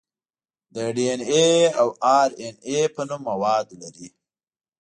د ډي ان اې او ار ان اې په نوم مواد لري.